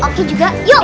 oke juga yuk